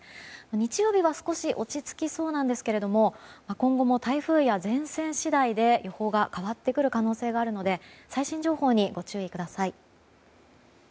日曜日は少し落ち着きそうですが今後も台風や前線次第で、予報が変わってくる可能性があるので最新情報にご注意ください。